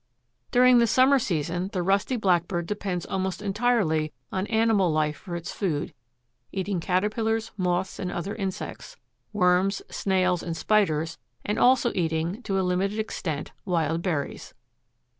During the summer season the Rusty Blackbird depends almost entirely on animal life for its food, eating caterpillars, moths and other insects, worms, snails and spiders, also eating, to a limited extent, wild berries.